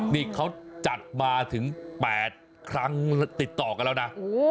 นี่เขาจัดมาถึง๘ครั้งติดต่อกันแล้วนะ